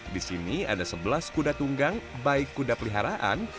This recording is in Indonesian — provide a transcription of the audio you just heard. di sini ada sebelas kuda tunggang baik kuda peliharaan